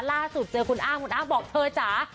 ล่าสุดเจอคุณอ้ำคุณอ้ำบอกเธอจ๋า